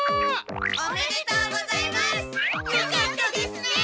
おめでとうございます！よかったですね！